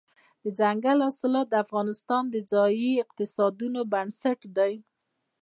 دځنګل حاصلات د افغانستان د ځایي اقتصادونو بنسټ دی.